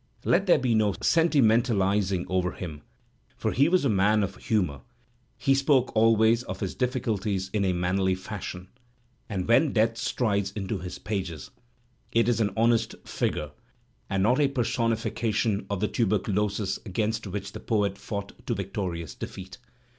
Let there be no sentimentalizing over him, for he was a man of humour, he spoke always or his difficulties in a manly fashion, and when death strides into his pages it is an honest figure and not a personification of the tuberculosis against which the poet fought to victori ous defeat.